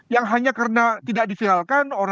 yang hanya karena tidak diviralkan